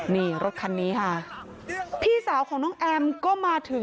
นี่รถคันนี้ค่ะพี่สาวของน้องแอมก็มาถึง